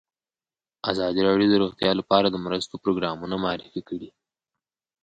ازادي راډیو د روغتیا لپاره د مرستو پروګرامونه معرفي کړي.